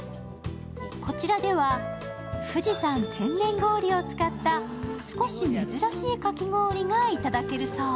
こちらでは富士山天然氷を使った少し珍しいかき氷が頂けるそう。